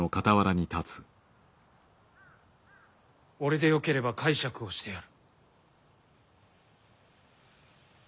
俺でよければ介錯をしてやる。